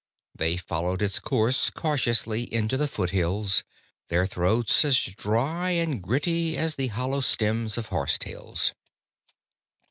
They followed its course cautiously into the foothills, their throats as dry and gritty as the hollow stems of horsetails.